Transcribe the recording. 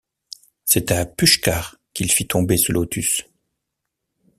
C'est à Pushkar qu'il fit tomber ce lotus.